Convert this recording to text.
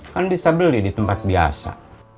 kan bisa beli di tempat biasa